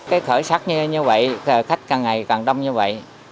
cái khởi sắc như vậy khách càng ngày càng đông như vậy